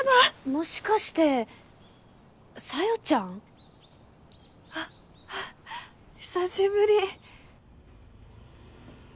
もしかして紗世ちゃん？あっ久しぶり。